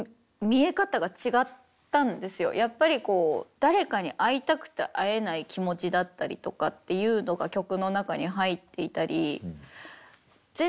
やっぱりこう誰かに会いたくて会えない気持ちだったりとかっていうのが曲の中に入っていたり全然違う情景だったと思うんですよ